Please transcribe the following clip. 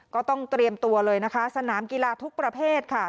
ก็ต้องเตรียมตัวเลยนะคะสนามกีฬาทุกประเภทค่ะ